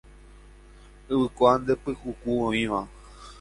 Yvykua nde pykuku oĩva.